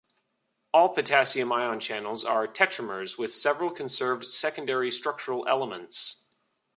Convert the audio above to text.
All potassium ion channels are tetramers with several conserved secondary structural elements.